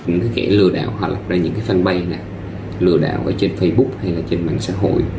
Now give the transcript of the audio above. những cái kẻ lừa đảo họ lọc ra những cái fanpage lừa đảo ở trên facebook hay là trên mạng xã hội